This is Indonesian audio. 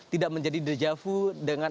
tidak menjadi dejavu dengan